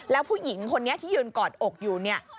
แล้วผู้หญิงคนนี้ที่ยืนกอดอกอยู่เนี่ย